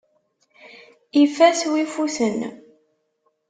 Ifat-wi ifuten.